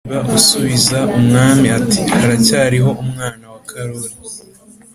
Siba asubiza umwami ati Haracyariho umwana wa karori